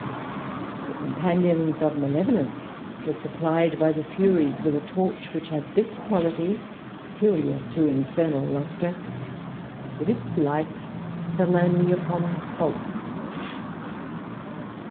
The companions of Malevolence were supplied by the Furies with a torch, which had this quality peculiar to infernal lustre^ that its light fell only upon faults.